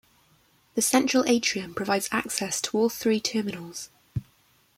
The central atrium provides access to all three terminals.